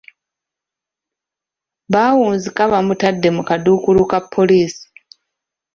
Baawunzika bamutadde mu kaduukulu ka poliisi.